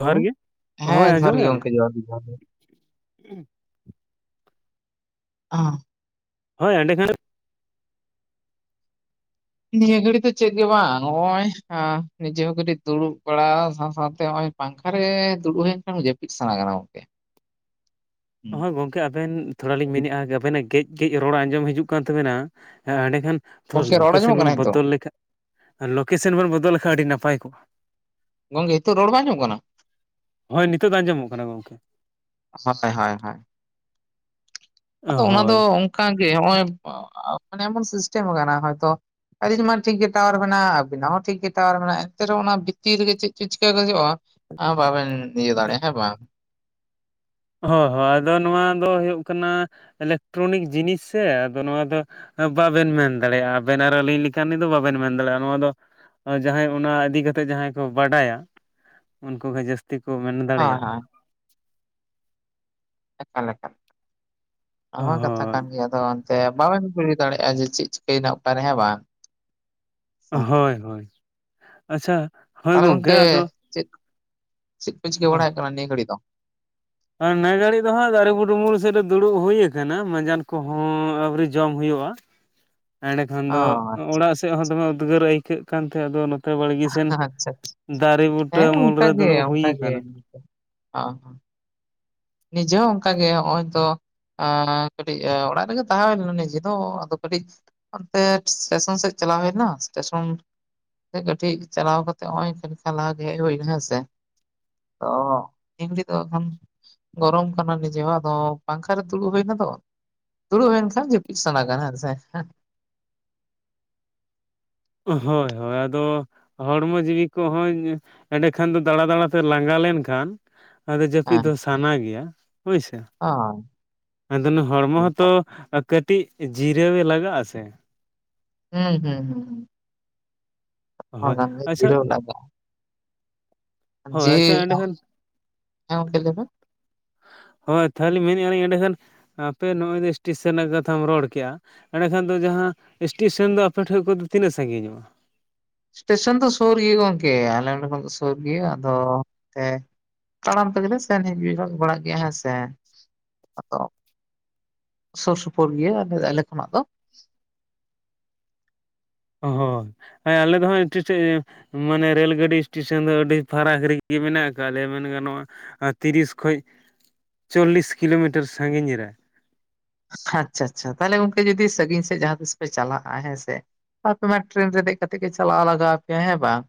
ᱡᱚᱦᱟᱨ ᱜᱮ ᱦᱳᱭ ᱦᱮᱸ ᱡᱚᱦᱟᱨ ᱜᱮ ᱟᱸᱡᱚᱢᱮᱜᱼᱟ ᱜᱚᱝᱠᱮ ᱡᱚᱦᱟᱨ ᱜᱮ ᱡᱚᱦᱟᱨ᱾ ᱵᱮᱱ [inaudible] ᱦᱳᱭ ᱮᱸᱰᱮ ᱠᱷᱟᱱ ᱱᱤᱭᱟᱹ ᱜᱷᱟᱹᱲᱤ ᱫᱚ ᱪᱮᱜ ᱜᱮ ᱵᱟᱝ ᱱᱚᱜᱚᱭ ᱱᱤᱡᱮ ᱦᱚᱸ ᱠᱟᱹᱴᱤᱡ ᱫᱩᱲᱩᱵ ᱵᱟᱲᱟ ᱥᱟᱶ ᱥᱟᱶᱛᱮ ᱦᱚᱜ ᱚᱭ ᱯᱟᱝᱠᱷᱟ ᱨᱮ ᱫᱩᱲᱩᱵ ᱦᱩᱭᱮᱱ ᱠᱷᱟᱱ ᱡᱟᱹᱯᱤᱫ ᱥᱟᱱᱟ ᱠᱟᱱᱟ ᱜᱚᱝᱠᱮ᱾ [inaudible] ᱦᱩᱸ, ᱦᱚᱸ ᱜᱚᱝᱠᱮ ᱟᱵᱮᱱ ᱛᱷᱚᱲᱟ ᱞᱤᱧ ᱢᱮᱱᱮᱜ-ᱟ ᱡᱮ ᱟᱵᱮᱱᱟᱜ ᱜᱮᱡ ᱜᱮᱡ ᱨᱚᱲ ᱟᱸᱡᱚᱢ ᱦᱤᱡᱩᱜ ᱠᱟᱱ ᱛᱟᱵᱮᱱᱟ᱾ ᱮᱸᱰᱮᱠᱷᱟᱱ ᱛᱚ ᱜᱚᱝᱠᱮ ᱨᱚᱲ ᱟᱸᱡᱚᱢᱚᱜ ᱞᱳᱠᱮᱥᱮᱱ ᱠᱟᱱᱟ ᱵᱮᱱ ᱱᱤᱛᱚᱜ ᱵᱚᱫᱚᱞ ᱞᱮᱠᱷᱟ ᱞᱳᱠᱮᱥᱮᱱ ᱵᱮᱱ ᱵᱚᱫᱚᱞ ᱞᱮᱠᱷᱟᱡ ᱟᱹᱰᱤ ᱱᱟᱯᱟᱭ ᱜᱚᱝᱠᱮ ᱦᱤᱛᱟᱹᱜ ᱨᱚᱲ ᱵᱟᱝ ᱟᱸᱡᱚᱢᱚᱜ ᱠᱟᱱᱟ? ᱦᱳᱭ ᱱᱤᱛᱟᱹᱜ ᱫᱚ ᱟᱸᱡᱚᱢᱚᱜ ᱠᱟᱱᱟ ᱜᱚᱝᱠᱮ᱾ ᱱᱚᱛᱮ ᱦᱚᱭ ᱦᱚᱭ᱾ ᱟᱫᱚ ᱦᱳᱭ ᱚᱱᱟ ᱫᱚ ᱦᱳᱭ ᱚᱱᱠᱟ ᱜᱮ ᱦᱚᱜᱚᱭ ᱢᱟᱱᱮ ᱮᱢᱚᱱ ᱥᱤᱥᱴᱮᱢ ᱠᱟᱱᱟ ᱦᱚᱭᱛᱚ ᱟᱹᱞᱤᱧ ᱢᱟ ᱴᱷᱤᱠ ᱜᱮ ᱴᱟᱣᱟᱨ ᱢᱮᱱᱟᱜ-ᱟ ᱟᱵᱤᱱᱟᱜ ᱦᱚᱸ ᱴᱷᱤᱠ ᱜᱮ ᱴᱟᱣᱟᱨ ᱢᱮᱱᱟᱜ-ᱟ ᱮᱱᱛᱮ ᱨᱮᱦᱚᱸ ᱚᱱᱟ ᱵᱷᱤᱛᱤᱨ ᱨᱮᱜᱮ ᱪᱮᱫ ᱪᱚ ᱪᱤᱠᱟᱹ ᱜᱚᱫᱚᱜ-ᱟ ᱟ ᱵᱟᱵᱮᱱ ᱤᱭᱟᱹ ᱫᱟᱲᱮᱭᱟᱜ-ᱟ ᱦᱮᱸ ᱵᱟᱝ᱾ ᱦᱚᱸ ᱦᱚᱸ ᱟᱫᱚ ᱱᱚᱣᱟ ᱫᱚ ᱦᱩᱭᱩᱜ ᱠᱟᱱᱟ ᱤᱞᱮᱠᱴᱨᱚᱱᱤᱠ ᱡᱤᱱᱤᱥ ᱥᱮ ᱟᱫᱚ ᱱᱚᱣᱟ ᱫᱚ ᱵᱟᱵᱮᱱ ᱢᱮᱱ ᱫᱟᱲᱮᱜ-ᱟ ᱟᱵᱮᱱ ᱟᱨ ᱟᱹᱞᱤᱧ ᱞᱮᱠᱟᱱᱤᱡ ᱫᱚ ᱵᱟᱵᱮᱱ ᱢᱮᱱ ᱫᱟᱲᱮᱜ-ᱟ ᱱᱚᱣᱟ ᱫᱚ ᱡᱟᱦᱟᱸᱭ ᱚᱱᱟ ᱤᱫᱤ ᱠᱟᱛᱮᱜ ᱡᱟᱦᱟᱸᱭ ᱠᱚ ᱵᱟᱰᱟᱭᱟ ᱩᱱᱠᱩ ᱜᱮ ᱡᱟᱹᱥ ᱛᱤ ᱠᱚ ᱢᱮᱱ ᱦᱳᱭ ᱫᱟᱲᱮᱭᱟᱜ-ᱟ᱾ ᱦᱳᱭ ᱟᱠᱟ ᱞᱮᱠᱟ ᱱᱚᱣᱟ ᱠᱟᱛᱷᱟ ᱦᱳᱭ ᱠᱷᱟᱱ ᱜᱮᱭᱟ ᱟᱫᱚ ᱚᱱᱛᱮ ᱵᱟᱵᱮᱱ ᱠᱩᱞᱤ ᱫᱟᱲᱮᱜ-ᱟ ᱡᱮ ᱪᱤᱜ ᱪᱤᱠᱟᱹᱭᱮᱱᱟ ᱚᱠᱟᱨᱮ ᱦᱮᱸ ᱵᱟᱝ᱾ ᱦᱮᱸ ᱦᱳᱭ ᱟᱪᱪᱷᱟ ᱦᱳᱭ ᱛᱟᱦᱚᱞᱮ ᱜᱚᱝᱠᱮ ᱟᱫᱚ ᱪᱮᱜ ᱪᱮᱜ ᱠᱚ ᱪᱤᱠᱟᱹ ᱵᱟᱲᱟᱭ ᱦᱩᱭᱩᱜ ᱠᱟᱱᱟ ᱱᱤᱭᱟᱹ ᱜᱷᱟᱹᱲᱤᱡ ᱫᱚ? ᱱᱮ ᱜᱷᱟᱹᱲᱤᱡ ᱫᱚ ᱦᱟᱸᱜ ᱫᱟᱨᱮ ᱵᱩᱰᱩᱵᱩᱨ ᱥᱮᱫ ᱨᱮ ᱫᱩᱲᱩᱵ ᱦᱩᱭᱟ ᱠᱟᱱᱟ᱾ ᱢᱟᱡᱟᱱ ᱠᱚᱦᱚᱸ ᱟᱣᱨᱤ ᱡᱚᱢ ᱦᱩᱭᱩᱜᱼᱟ ᱾ ᱮᱸᱲᱮᱠᱷᱟᱱ ᱚ ᱫᱚ ᱟᱪᱪᱷᱟ ᱚᱲᱟᱜ ᱥᱮᱫ ᱟᱪᱪᱷᱟ ᱦᱚᱸ ᱫᱚᱢᱮ ᱩᱫᱽᱜᱟᱹᱨ ᱟᱹᱭᱠᱟᱹᱜ ᱠᱟᱱᱛᱮ ᱟᱫᱚ ᱵᱟᱲᱜᱮ ᱥᱮᱱ ᱟᱪᱪᱷᱟ ᱟᱪᱪᱷᱟ, ᱫᱟᱨᱮ ᱵᱩᱴᱟᱹ ᱦᱮᱸ ᱩᱢᱩᱞ ᱨᱮ ᱚᱱᱠᱟᱜᱮ ᱫᱩᱲᱩᱵ ᱦᱩᱭ ᱚᱱᱠᱟᱜᱮ ᱠᱟᱱᱟ ᱾ ᱚ ᱱᱤᱡᱮ ᱦᱚᱸ ᱚᱝᱠᱟ ᱜᱮ ᱦᱚᱜᱼᱚᱭ ᱛᱚ ᱮᱸᱠᱟᱹᱴᱤᱡ ᱚᱲᱟᱜ ᱨᱮᱜᱮ ᱛᱟᱦᱮᱸ ᱦᱳᱭ ᱞᱮᱱᱟ ᱱᱤᱡᱮ ᱫᱚ ᱟᱫᱚ ᱠᱟᱹᱴᱤᱡ ᱚᱱᱛᱮ ᱥᱴᱮᱥᱚᱱ ᱥᱮᱫ ᱪᱟᱞᱟᱣ ᱦᱩᱭ ᱞᱮᱱᱟ ᱥᱴᱮᱥᱚᱱ ᱠᱟᱹᱴᱤᱡ ᱪᱟᱞᱟᱣ ᱠᱟᱛᱮ ᱦᱚᱸᱜ ᱚᱭ ᱠᱷᱟᱹᱱᱤ ᱠᱷᱚᱱ ᱞᱟᱦᱟ ᱜᱮ ᱦᱮᱡ ᱦᱩᱭᱱᱟ ᱦᱮᱸ ᱥᱮ ᱚ [unintelligible] ᱫᱚ ᱮᱠᱷᱚᱱ ᱜᱚᱨᱚᱢ ᱠᱟᱱᱟ ᱱᱤᱡᱮ ᱦᱚᱸ ᱟᱫᱚ ᱯᱟᱝᱠᱷᱟ ᱨᱮ ᱫᱩᱲᱩᱵ ᱦᱩᱭᱱᱟ ᱫᱚ ᱫᱩᱲᱩᱵ ᱦᱳᱭᱮᱱ ᱠᱷᱟᱱ ᱡᱟᱹᱯᱤᱫ ᱥᱟᱱᱟ ᱠᱟᱱᱟ ᱦᱮᱸ ᱥᱮᱸ᱾ ᱦᱳᱭ ᱦᱳᱭ ᱟᱫᱚ ᱦᱚᱲᱢᱚ ᱡᱤᱣᱤ ᱠᱚᱦᱚᱧ ᱮᱸᱰᱮᱠᱷᱟᱱ ᱫᱚ ᱫᱟᱬᱟ ᱫᱟᱬᱟᱛᱮ ᱞᱟᱸᱜᱟ ᱞᱮᱱᱠᱷᱟᱱ ᱟᱫᱚ ᱡᱟᱹᱯᱤᱫ ᱫᱚ ᱥᱟᱱᱟ ᱜᱮᱭᱟ ᱦᱳᱭᱥᱮ᱾ [unintelligible] ᱟᱫᱚ ᱚᱱᱟ ᱦᱚᱲᱢᱚ ᱦᱚᱛᱚ ᱠᱟᱹᱴᱤᱡ ᱡᱤᱨᱟᱹᱣᱮ ᱜᱮ ᱞᱟᱜᱟᱜ ᱟᱥᱮ ᱦᱩᱸ ᱦᱩᱸ ᱦᱩᱸ ᱦᱳᱭ [unintelligible] ᱡᱤᱨᱟᱹᱣ ᱞᱟᱜᱟᱜ-ᱟ᱾ ᱦᱳᱭ ᱡᱮ ᱟᱪᱪᱷᱟ ᱮᱸᱰᱮᱠᱷᱟᱱ ᱦᱮᱸ ᱜᱚᱢᱠᱮ ᱞᱟᱹᱭ ᱵᱤᱱ? ᱦᱳᱭ ᱛᱟᱦᱚᱞᱮ ᱢᱮᱱᱮᱫ ᱟᱹᱞᱤᱧ ᱮᱸᱰᱮ ᱠᱷᱟᱱ ᱟᱯᱮ ᱱᱚᱜᱼᱚᱭ ᱫᱚ ᱮᱥᱴᱮᱥᱮᱱ ᱨᱮᱱᱟᱜ ᱠᱟᱛᱷᱟᱢ ᱨᱚᱲ ᱠᱮᱜᱼᱟ ᱮᱸᱲᱮᱠᱷᱟᱱ ᱫᱚ ᱡᱟᱦᱟᱸ ᱮᱥᱴᱮᱥᱚᱱ ᱫᱚ ᱟᱯᱮ ᱴᱷᱮᱱ ᱠᱷᱚᱱᱫᱚ ᱛᱤᱱᱟᱹᱜ ᱥᱟᱺᱜᱤᱧ ᱧᱚᱜᱼᱟ᱾ ᱥᱴᱮᱥᱚᱱ ᱫᱚ ᱥᱳᱨ ᱜᱮᱭᱟ ᱜᱚᱝᱠᱮ ᱟᱞᱮ ᱱᱚᱸᱰᱮ ᱠᱷᱚᱱ ᱫᱚ ᱥᱳᱨ ᱜᱮᱭᱟ ᱟᱫᱚ ᱮᱱᱛᱮ ᱛᱟᱲᱟᱢ ᱛᱮ ᱜᱮᱞᱮ ᱥᱮᱱ ᱦᱮᱡ [unintelligible] ᱵᱟᱲᱟᱜ ᱜᱮᱭᱟ ᱦᱮᱸ ᱥᱮ ᱟᱫᱚ ᱥᱳᱨ ᱥᱳᱯᱳᱨ ᱜᱮᱭᱟ ᱟᱞᱮ ᱠᱷᱚᱱᱟᱜ ᱫᱚ᱾ ᱦᱳᱭ ᱟᱞᱮ ᱫᱚ ᱦᱟᱸᱜ [unintelligible] ᱢᱟᱱᱮ ᱨᱮᱻᱞ ᱜᱟᱹᱰᱤ ᱮᱥᱴᱮᱥᱚᱱ ᱫᱚ ᱟᱹᱰᱤ ᱯᱷᱟᱨᱟᱠ ᱨᱮᱜᱮ ᱢᱮᱱᱟᱜ ᱠᱟᱜ-ᱟ ᱞᱮᱭᱟ ᱢᱮᱱ ᱜᱟᱱᱚᱜᱼᱟ᱾ ᱟᱸ ᱛᱤᱨᱤᱥ ᱠᱷᱚᱪ ᱪᱚᱞᱞᱤᱥ ᱠᱤᱞᱳᱢᱤᱴᱟᱨ ᱥᱟᱺᱜᱤᱧ ᱨᱮᱼᱼ ᱟᱪᱪᱷᱟ ᱟᱪᱪᱷᱟ ᱛᱟᱦᱚᱞᱮ ᱜᱚᱝᱠᱮ ᱡᱩᱫᱤ ᱥᱟᱺᱜᱤᱧ ᱥᱮᱫ ᱡᱟᱦᱟᱸ ᱛᱤᱥ ᱯᱮ ᱪᱟᱞᱟᱜᱼᱟ᱾ ᱦᱮᱸ ᱥᱮ? ᱟᱯᱮ ᱢᱟ ᱴᱨᱮᱱ ᱨᱮ ᱫᱮᱡᱽ ᱠᱟᱛᱮ ᱜᱮ ᱪᱟᱞᱟᱣ ᱞᱟᱜᱟᱣ ᱟᱯᱮᱭᱟ ᱦᱮᱸ ᱵᱟᱝ?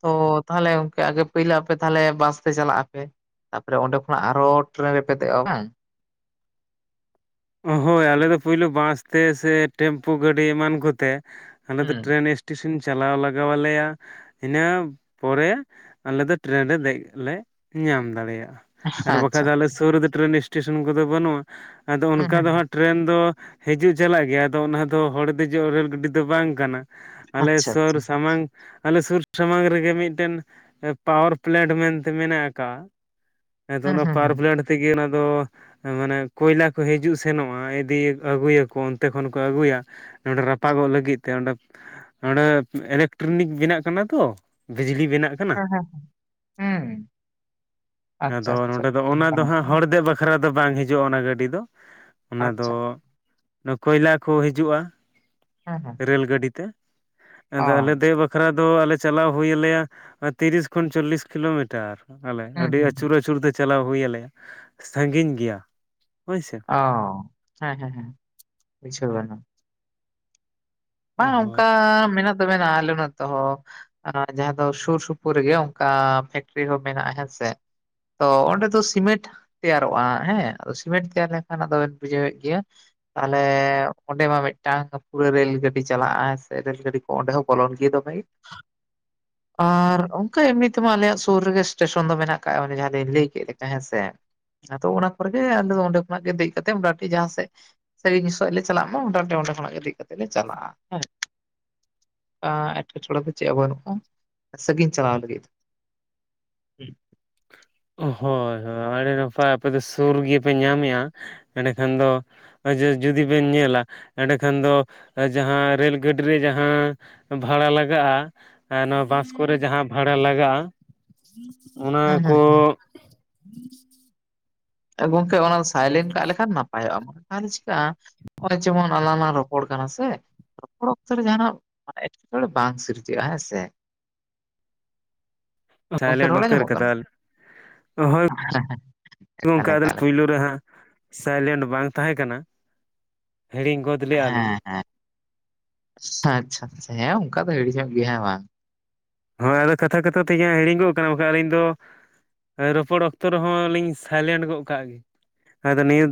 ᱛᱚ ᱛᱟᱦᱚᱞᱮ ᱜᱚᱝᱠᱜᱮ ᱯᱳᱭᱞᱳ ᱟᱯᱮ ᱛᱟᱦᱞᱮ ᱵᱟᱥ ᱛᱮ ᱪᱟᱞᱟᱜ ᱟᱯᱮ? ᱛᱟᱯᱚᱨᱮ ᱚᱸᱰᱮ ᱠᱷᱚᱱᱟᱜ ᱟᱨᱚ ᱴᱨᱮᱱ ᱨᱮᱯᱮ ᱫᱮᱚᱜᱼᱟ ᱵᱟᱝ? ᱾ ᱦᱳᱭ ᱟᱞᱮ ᱫᱚ ᱯᱳᱭᱞᱳ ᱵᱟᱥ ᱛᱮ ᱥᱮ ᱴᱮᱢᱯᱩ ᱜᱟᱹᱰᱤ ᱮᱢᱟᱱ ᱠᱚᱛᱮ ᱟᱞᱮ ᱫᱚ ᱦᱩᱸ ᱴᱨᱮᱱᱼᱼ ᱴᱤᱥᱚᱱ ᱪᱟᱞᱟᱣ ᱞᱟᱜᱟᱣ ᱟᱞᱮᱭᱟᱼᱼ ᱤᱱᱟᱹ ᱯᱚᱨᱮ ᱟᱞᱮ ᱫᱚ ᱴᱨᱮᱱ ᱨᱮ ᱫᱮᱡ ᱞᱮ ᱧᱟᱢ ᱫᱟᱲᱮᱭᱟᱜᱼᱟ ᱾ ᱟᱨ ᱵᱟᱠᱷᱟᱡ ᱟᱪᱪᱷᱟ ᱟᱞᱮ ᱥᱩᱨ ᱨᱮᱫᱚ ᱴᱨᱮᱹᱱ ᱮᱥᱴᱮᱥᱚᱱ ᱠᱚᱫᱚ ᱵᱟᱹᱱᱩᱜᱼᱟ᱾ ᱟᱫᱚ ᱦᱩᱸ ᱚᱱᱠᱟ ᱦᱩᱸ ᱫᱚ ᱦᱟᱸᱜᱼᱼ ᱴᱨᱮᱱ ᱫᱚ ᱦᱤᱡᱩᱜ ᱪᱟᱞᱟᱜ ᱜᱮᱭᱟ, ᱟᱫᱚ ᱚᱱᱟ ᱫᱚ ᱦᱚᱲ ᱫᱮᱡᱚᱜ ᱨᱮᱻᱞ ᱜᱟᱹᱰᱤ ᱫᱚ ᱵᱟᱝ ᱠᱟᱱᱟ ᱾ ᱟᱞᱮ ᱟᱪᱪᱷᱟ ᱥᱳᱨ ᱟᱪᱪᱷᱟ ᱥᱟᱢᱟᱝ ᱟᱞᱮ ᱥᱩᱨ ᱥᱟᱢᱟᱝ ᱨᱮᱜᱮ ᱢᱤᱴᱮᱱ ᱼᱼ ᱯᱟᱣᱟᱨ ᱯᱞᱮᱱᱴ ᱢᱮᱱᱛᱮ ᱢᱮᱱᱟᱜ ᱠᱟᱜᱼᱟᱼᱼ ᱦᱮᱸᱛᱚ ᱦᱩᱸ ᱚᱱᱟ ᱦᱩᱸ ᱯᱟᱣᱟᱨ ᱦᱩᱸ ᱯᱞᱮᱱᱴ ᱛᱮᱜᱮ ᱚᱱᱟ ᱫᱚ ᱢᱟᱱᱮ ᱠᱚᱭᱞᱟ ᱠᱚ ᱦᱤᱡᱩᱜᱼᱼ ᱥᱮᱱᱚᱜᱼᱟ᱾ ᱤᱫᱤᱭᱟᱼᱠᱚ ᱟᱹᱜᱩᱭᱟᱠᱚ ᱚᱱᱛᱮ ᱠᱷᱚᱱ ᱠᱚ ᱟᱹᱜᱩᱭᱟ ᱱᱚᱸᱰᱮ ᱨᱟᱯᱟᱜᱚᱜ ᱞᱟᱹᱜᱤᱫ ᱛᱮ ᱚᱸᱰᱮᱼᱼ ᱬᱸᱰᱮ ᱤᱞᱮᱠᱴᱨᱚᱱᱤᱠ ᱵᱮᱱᱟᱜ ᱠᱟᱱᱟ ᱛᱚ ᱵᱤᱡᱽᱞᱤ ᱵᱮᱱᱟᱜ ᱠᱟᱱᱟᱼᱼ ᱦᱮᱸ ᱦᱮᱸ ᱦᱩᱸ ᱟᱪᱪᱷᱟ ᱟᱫᱚ ᱟᱪᱪᱷᱟ ᱱᱚᱰᱮ ᱫᱚ ᱚᱱᱟ ᱫᱚ ᱦᱟᱸᱜ ᱦᱚᱲ ᱫᱮᱡᱽ ᱫᱚ ᱵᱟᱼᱼ ᱠᱷᱨᱟ ᱫᱚ ᱵᱟᱝ ᱦᱤᱡᱩᱜᱼᱟ ᱚᱱᱟ ᱜᱟᱹᱰᱤ ᱫᱚᱼᱼ ᱚᱱᱟ ᱫᱚ ᱟᱪᱪᱷᱟ ᱚᱱᱟ ᱠᱚᱭᱞᱟ ᱠᱚ ᱦᱤᱡᱩᱜᱼᱟ ᱦᱮᱸ ᱦᱮᱸ ᱨᱮᱹᱞ ᱜᱟᱹᱰᱤ ᱛᱮ ᱾ ᱚ ᱟᱫᱚ ᱟᱞᱮ ᱫᱮᱡᱽ ᱵᱟᱠᱷᱨᱟ ᱫᱚ ᱟᱞᱮ ᱪᱟᱞᱟᱣ ᱦᱩᱭ ᱟᱞᱮᱭᱟ ᱛᱤᱨᱤᱥ ᱠᱷᱚᱱ ᱪᱚᱞᱞᱤᱥ ᱠᱤᱞᱳᱢᱤᱴᱟᱨᱼᱼ ᱟᱞᱮ ᱦᱩᱸ ᱟᱹᱰᱤ ᱦᱩᱸ ᱟᱹᱪᱩᱨ ᱟᱹᱪᱩᱨ ᱛᱮ ᱪᱟᱞᱟᱣ ᱦᱩᱭ ᱟᱞᱮᱭᱟ ᱥᱟᱺᱜᱤᱧ ᱜᱮᱭᱟ ᱦᱳᱭ ᱥᱮ, ᱼᱼ ᱚᱸ ᱦᱮᱸ ᱦᱮᱸ ᱦᱮᱸ ᱵᱩᱪᱷᱟᱹᱣ ᱠᱟᱱᱟᱼᱼ ᱵᱟᱝ ᱦᱳᱭ ᱚᱱᱠᱟ ᱢᱮᱱᱟᱜ ᱫᱚ ᱢᱮᱱᱟᱜᱼᱟ ᱟᱞᱮ ᱱᱚᱛᱮ ᱦᱚᱸᱼᱼ ᱡᱟᱦᱟᱸ ᱫᱚ ᱥᱩᱨ ᱥᱩᱯᱩᱨ ᱨᱮᱜᱮ ᱚᱱᱠᱟ ᱯᱷᱮᱠᱴᱨᱤ ᱦᱚᱸ ᱢᱮᱱᱟᱜᱼᱟ ᱦᱮᱸᱥᱮ ᱾ ᱛᱚ ᱚᱸᱰᱮ ᱫᱚ ᱥᱤᱢᱮᱱᱴᱼᱼ ᱛᱮᱭᱟᱨᱚᱜᱼᱟ ᱦᱮᱸ ᱟᱫᱚ ᱥᱤᱢᱮᱱᱴ ᱛᱮᱭᱟᱨ ᱞᱮᱠᱷᱟᱱ ᱟᱫᱚᱵᱮᱱ ᱵᱩᱡᱷᱟᱹᱣᱮᱫ ᱜᱮᱭᱟᱼᱼ ᱛᱟᱦᱚᱞᱮ ᱚᱸᱰᱮ ᱢᱟ ᱢᱤᱫᱴᱟᱝ ᱯᱩᱨᱟᱹ ᱨᱮᱞ ᱜᱟᱹᱰᱤᱼᱼ ᱜᱟᱹᱰᱤ ᱪᱟᱞᱟᱜᱼᱟ ᱥᱮ ᱨᱮᱹᱞ ᱜᱟᱹᱰᱤ ᱠᱚ ᱚᱸᱰᱮ ᱦᱚᱸ ᱵᱚᱞᱚᱱ ᱜᱮ ᱫᱚᱢᱮᱼᱼ [unintelligible] ᱟᱨ ᱚᱱᱠᱟ ᱮᱢᱱᱤ ᱛᱮᱢᱟ ᱟᱞᱮᱭᱟᱜ ᱥᱩᱨ ᱨᱮᱜᱮ ᱥᱴᱮᱥᱚᱱ ᱫᱚ ᱢᱮᱱᱟᱜ ᱠᱟᱜ ᱚᱱᱟ ᱡᱟᱦᱟᱸ ᱫᱚᱧ ᱞᱟᱹᱭ ᱠᱮᱫ ᱞᱮᱠᱟ ᱦᱮᱸ ᱥᱮ? ᱟᱫᱚ ᱚᱱᱟ ᱠᱚᱨᱮᱜᱮ ᱟᱞᱮ ᱫᱚ ᱚᱸᱰᱮ ᱠᱷᱚᱱᱟᱜ ᱜᱮ ᱫᱮᱡ ᱠᱟᱛᱮ ᱮᱢ ᱩᱴᱷᱚᱜ ᱡᱟᱦᱟᱸ ᱥᱮᱫ ᱼᱼ ᱥᱟᱹᱜᱤᱧ ᱥᱮᱜᱞᱮ ᱪᱟᱞᱟᱜᱼᱢᱟ ᱢᱳᱴᱟ ᱢᱩᱴᱤ ᱚᱸᱰᱮ ᱠᱷᱚᱱᱟᱜ ᱜᱮ ᱫᱮᱡᱽ ᱠᱟᱛᱮ ᱞᱮ ᱪᱟᱞᱟᱜᱼᱟ ᱾ ᱦᱮᱸ ᱮᱴᱠᱮᱴᱚᱲᱮ ᱫᱚ ᱪᱮᱫ ᱦᱚᱸ ᱵᱟᱹᱱᱩᱜᱼᱟ ᱥᱟᱺᱟᱹᱜᱤᱧ ᱪᱟᱞᱟᱣ ᱞᱟᱹᱜᱤᱫᱼᱼ ᱦᱳᱭ ᱦᱳᱭ ᱟᱹᱰᱤ ᱱᱟᱯᱟᱭ ᱟᱯᱮ ᱫᱚ ᱥᱩᱨ ᱜᱮᱯᱮ ᱧᱟᱢᱮᱜᱼᱟ ᱮᱸᱰᱮᱠᱷᱟᱱ ᱫᱚᱼᱼ ᱡᱩᱫᱤ ᱵᱮᱱ ᱧᱮᱞᱟ ᱮᱸᱰᱮᱠᱷᱟᱱ ᱫᱚ ᱡᱟᱦᱟᱸ ᱨᱮᱹᱞ ᱜᱟᱹᱰᱤ ᱨᱮ ᱡᱟᱦᱟᱸᱼᱼ ᱵᱷᱟᱲᱟ ᱞᱟᱜᱟᱜᱼᱟ ᱱᱚᱣᱟ ᱵᱟᱥ ᱠᱚᱨᱮ ᱡᱟᱦᱟᱸ ᱵᱷᱟᱲᱟ ᱞᱟᱜᱟᱜᱼᱟᱼᱼᱼ ᱚᱱᱟ ᱦᱩᱸ ᱦᱩᱸ ᱠᱚᱼᱼ ᱜᱚᱝᱠᱮ ᱚᱱᱟ ᱥᱟᱭᱞᱮᱱᱴ ᱠᱟᱜ ᱞᱮᱠᱷᱟᱱ ᱱᱟᱯᱟᱭᱚᱜᱼᱟ ᱛᱟᱦᱞᱮ ᱪᱤᱠᱟᱹᱜᱼᱟ ᱼᱼ ᱱᱚᱜᱼᱚᱭ ᱡᱮᱢᱚᱱ ᱟᱞᱟᱝᱞᱟ ᱨᱚᱯᱚᱲ ᱠᱟᱱᱟ ᱥᱮ? ᱨᱚᱲ ᱚᱠᱛᱚ ᱨᱮ ᱡᱟᱦᱱᱟᱜ ᱮᱴᱠᱮᱴᱚᱬᱮ ᱵᱟᱝ ᱥᱤᱨᱡᱟᱹᱜᱼᱟ ᱦᱮᱸ ᱥᱮ? ᱜᱚᱝᱠᱮ ᱥᱟᱭᱞᱮᱱᱰ ᱨᱚᱲ ᱩᱛᱟᱹᱨ ᱟᱸᱡᱚᱢᱚᱜ ᱠᱟᱫᱟ ᱠᱟᱱᱟ ᱞᱤᱧ ᱦᱳᱭᱼᱼ ᱮᱠᱟᱞ ᱜᱚᱢᱠᱮ ᱟᱞᱮ ᱫᱚ ᱮᱠᱟᱞ ᱮᱠᱟᱞ ᱯᱳᱭᱞᱳ ᱨᱮᱦᱟᱜᱼᱼᱼ ᱥᱟᱭᱞᱮᱱᱴ ᱵᱟᱝ ᱛᱟᱦᱮᱸ ᱠᱟᱱᱟ ᱦᱤᱲᱤᱧ ᱜᱚᱫᱼᱼ ᱦᱮᱸ ᱦᱮᱸ ᱟᱪᱷᱟ ᱟᱪᱷᱟ ᱦᱮᱸ ᱚᱱᱠᱟ ᱫᱚ ᱦᱤᱲᱤᱧ ᱧᱚᱜ ᱜᱮᱭᱟ ᱦᱮᱸ ᱵᱟᱝ? ᱦᱳᱭ ᱟᱫᱚ ᱠᱟᱛᱷᱟ ᱠᱟᱛᱷᱟ ᱛᱮ ᱤᱧᱟᱹᱜ ᱦᱤᱲᱤᱧᱚᱜ ᱠᱟᱱᱟ ᱵᱟᱠᱷᱟᱱ ᱟᱹᱞᱤᱧ ᱫᱚᱼᱼ ᱨᱚᱯᱚᱲ ᱚᱠᱛᱚ ᱨᱮᱦᱚᱸ ᱞᱤᱧ ᱥᱟᱭᱞᱮᱱᱴ ᱜᱚᱫ ᱠᱟᱜ ᱜᱮ ᱟᱫᱚ ᱱᱤᱭᱟᱹᱼᱼ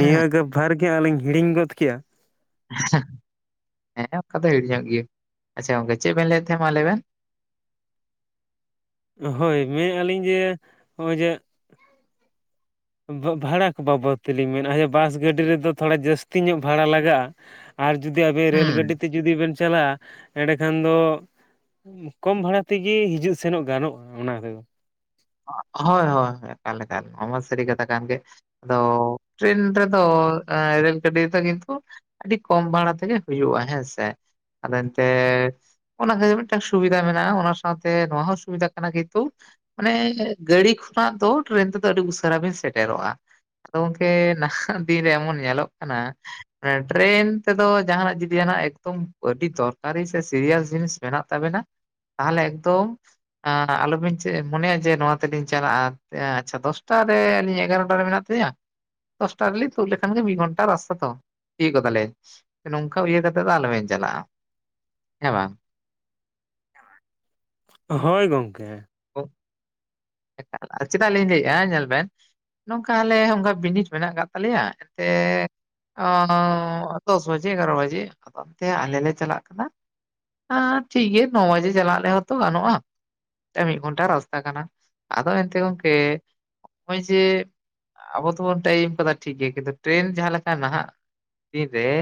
ᱱᱤᱭᱟᱹ ᱜᱮ ᱵᱷᱟᱨ ᱜᱮ ᱞᱤᱧ ᱦᱤᱲᱤᱧ ᱜᱚᱫ ᱠᱮᱜᱼᱟᱼᱼ ᱦᱮᱸ ᱚᱱᱠᱟ ᱫᱚ ᱦᱤᱲᱤᱧᱚᱜ ᱜᱮᱭᱟ ᱟᱪᱷᱟ ᱜᱚᱢᱠᱮ ᱪᱮᱫ ᱵᱮᱱ ᱞᱟᱹᱭᱮᱫ ᱛᱟᱦᱮᱸᱫ ᱢᱟ ᱞᱟᱹᱭ ᱵᱮᱱ? ᱦᱳᱭ ᱢᱮᱱᱮᱫᱼᱟ ᱞᱤᱧ ᱡᱮ ᱱᱚᱜᱼᱚᱭ ᱡᱮᱼᱼ ᱵᱷᱟᱲᱟ ᱠᱚ ᱵᱟᱵᱚᱫ ᱛᱮᱞᱤᱧ ᱢᱮᱱᱟ ᱵᱟᱥ ᱜᱟᱹᱰᱤ ᱨᱮᱫᱚ ᱛᱷᱚᱲᱟ ᱡᱟᱹᱥᱛᱤ ᱧᱚᱜ ᱵᱷᱟᱲᱟ ᱞᱟᱜᱟᱜᱼᱟ ᱾ ᱟᱨ ᱡᱩᱫᱤ ᱟᱵᱮᱱ ᱨᱮᱹᱞ ᱦᱩᱸ ᱜᱟᱹᱰᱤ ᱛᱮ ᱡᱩᱫᱤ ᱵᱮᱱ ᱪᱟᱞᱟᱜᱼᱟ ᱮᱸᱰᱮᱠᱷᱟᱱ ᱫᱚᱼᱼ ᱠᱚᱢ ᱵᱷᱟᱲᱟ ᱛᱮᱜᱮ ᱦᱤᱡᱩᱜ ᱥᱮᱱᱚᱜ ᱜᱟᱱᱚᱜᱼᱟ ᱠᱟᱱᱟ, ᱦᱳᱭ ᱦᱳᱭ [inaudible] ᱞᱮᱞᱮ ᱢᱟᱜ ᱥᱟᱹᱨᱤ ᱠᱟᱛᱷᱟ ᱠᱟᱱ ᱜᱮ᱾ ᱟᱫᱚ ᱴᱨᱮᱱ ᱨᱮᱫᱚ ᱨᱮᱞ ᱜᱟᱹᱰᱤ ᱫᱚ ᱠᱤᱱᱛᱩ, ᱟᱹᱰᱤ ᱠᱚᱢ ᱵᱷᱟᱲᱟ ᱛᱮᱜᱮ ᱦᱩᱭᱩᱜᱼᱟ ᱦᱮᱸ ᱥᱮ ᱟᱫᱚ ᱮᱱᱛᱮ- ᱚᱱᱟ ᱠᱷᱛᱤᱨ ᱢᱤᱫᱴᱟᱝ ᱥᱩᱵᱤᱫᱷᱟ ᱢᱮᱱᱟᱜᱼᱟ ᱚᱱᱟ ᱥᱟᱶᱛᱮ ᱱᱚᱣᱟ ᱦᱚᱸ ᱥᱩᱵᱤᱫᱷᱟ ᱠᱟᱱᱟ ᱠᱤᱱᱛᱩ ᱢᱟᱱᱮ ᱜᱟᱹᱲᱤ ᱠᱷᱚᱱᱟᱜ ᱫᱚ ᱴᱨᱮᱹᱱ ᱛᱮᱫᱚ ᱟᱹᱰᱤ ᱩᱥᱟᱹᱨᱟ ᱵᱮᱱ ᱥᱮᱴᱮᱨᱚᱜᱼᱟ᱾ ᱟᱫᱚ ᱜᱚᱢᱠᱮ ᱱᱟᱦᱟᱜ ᱫᱤᱱᱨᱮ ᱮᱢᱚᱱ ᱧᱮᱞᱚᱜ ᱠᱟᱱᱟ, ᱴᱨᱮᱹᱱ ᱛᱮᱫᱚ ᱡᱟᱦᱟᱱᱟᱜ ᱡᱩᱫᱤ ᱡᱟᱦᱱᱟᱜ ᱮᱠᱫᱚᱢ ᱟᱹᱰᱤ ᱫᱚᱨᱠᱟᱨᱤ ᱥᱮ ᱥᱤᱨᱤᱭᱟᱥ ᱡᱤᱱᱤᱥ, ᱢᱮᱱᱟᱜ ᱛᱟᱵᱮᱱᱟ ᱛᱟᱦᱚᱞᱮ ᱮᱠᱫᱚᱢ ᱟᱞᱚᱵᱤᱱ ᱪᱮᱫ, ᱢᱚᱱᱮᱭᱟ ᱡᱮ ᱱᱚᱣᱟ ᱛᱮᱞᱤᱧ ᱪᱟᱞᱟᱜᱼᱟ ᱟᱪᱷᱟ ᱫᱚᱥᱴᱟ ᱨᱮ ᱟᱹᱞᱤᱧ ᱮᱜᱟᱨᱚᱴᱟ ᱨᱮ ᱢᱮᱱᱟᱜ ᱛᱤᱧᱟᱹ ᱫᱚᱥᱴᱟ ᱨᱮ ᱛᱩᱝ ᱞᱮᱠᱷᱟᱱ ᱜᱮ ᱫᱤᱫ ᱜᱚᱱᱴᱟ ᱨᱟᱥᱛᱟ ᱛᱚ ᱤᱭᱟᱹ ᱠᱚᱛ ᱞᱮ, ᱱᱚᱝᱠᱟ ᱤᱭᱟᱹ ᱠᱟᱛᱮᱜ ᱫᱚ ᱟᱞᱚᱵᱱ ᱪᱟᱞᱟᱜᱼᱟ ᱦᱮᱸ ᱵᱟᱝ? ᱦᱳᱭ ᱜᱚᱢᱠᱮ, [unintelligible] ᱮᱠᱟᱞ ᱪᱮᱫᱟᱜ ᱞᱤᱧ ᱞᱟᱭ ᱮᱜ-ᱟ ᱧᱮᱞ ᱵᱮᱱ ᱱᱚᱝᱠᱟ ᱟᱞᱮ ᱚᱱᱠᱟ ᱵᱤᱱᱤᱴ ᱢᱮᱱᱟᱜ ᱠᱟᱫ ᱛᱟᱞᱮᱭᱟ ᱮᱱᱛᱮ ᱚᱸᱻ ᱟᱫᱚ ᱫᱚᱥ ᱵᱟᱡᱮ ᱮᱜᱟᱨᱚ ᱵᱟᱡᱮ ᱟᱫᱚ ᱜᱚᱝᱠᱮ ᱟᱞᱮ ᱞᱮ ᱪᱟᱞᱟᱜ ᱠᱟᱱᱟ ᱦᱮᱸ ᱴᱷᱤᱠ ᱜᱮᱭᱟ ᱱᱚ ᱵᱟᱡᱮ ᱪᱟᱞᱟᱜ ᱨᱮᱦᱚ ᱛᱚ ᱜᱟᱱᱚᱜ-ᱟ ᱢᱤᱫ ᱜᱷᱚᱱᱴᱟ ᱨᱟᱥᱛᱟ ᱠᱟᱱᱟ ᱟᱫᱚ ᱮᱱᱛᱮ ᱜᱚᱝᱠᱮ ᱱᱚᱸᱜ-ᱚᱭ ᱡᱮ ᱟᱵᱚ ᱫᱚᱵᱚᱱ ᱴᱟᱭᱤᱢ ᱠᱟᱫᱟ ᱴᱷᱤᱠ ᱜᱮ ᱠᱤᱱᱛᱩ ᱴᱨᱮᱹᱱ ᱡᱟᱦᱟ ᱞᱮᱠᱟ ᱱᱟᱦᱟᱜ ᱫᱤᱱ ᱨᱮ